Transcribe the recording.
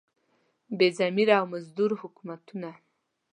بې ضمیره او مزدور حکومتونه.